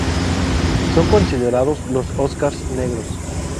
Son considerados los "Óscars Negros".